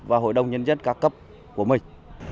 và hội đồng nhân dân ca cấp của mình